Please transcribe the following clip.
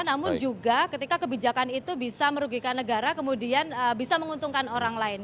namun juga ketika kebijakan itu bisa merugikan negara kemudian bisa menguntungkan orang lain